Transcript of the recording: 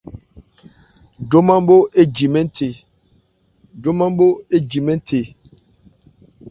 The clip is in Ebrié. Joman bho éji mɛ́n the.